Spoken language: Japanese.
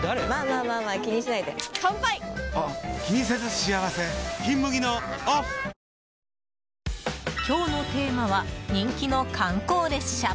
あ今日のテーマは人気の観光列車。